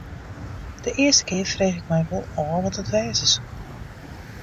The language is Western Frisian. De earste kear frege ik my wol ôf wat it wêze soe.